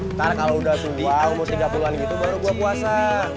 ntar kalau udah subuh umur tiga puluh an gitu baru gue puasa